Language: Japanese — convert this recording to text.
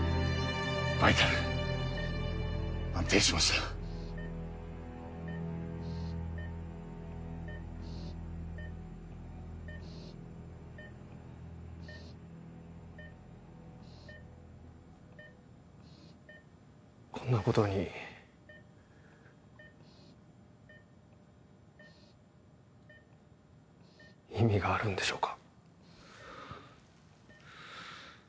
バイタル安定しましたこんなことに意味があるんでしょうか？